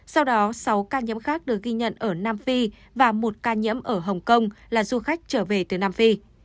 sau đó sáu ca nhiễm khác được ghi nhận ở nam phi và một ca nhiễm ở hồng kông là du khách trở về từ nam phi